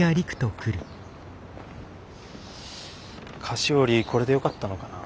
菓子折これでよかったのかな？